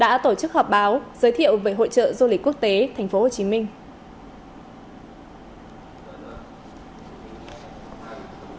đã tổ chức họp báo giới thiệu về hội trợ du lịch quốc tế thành phố hồ chí minh